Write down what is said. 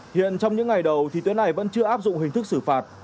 hiện trong những ngày đầu thì tuyến này vẫn chưa áp dụng hình thức xử phạt